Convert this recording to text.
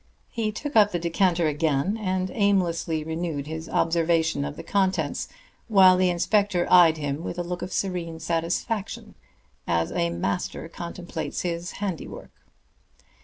He took up the decanter again, and aimlessly renewed his observation of the contents, while the inspector eyed him with a look of serene satisfaction, as a master contemplates his handiwork.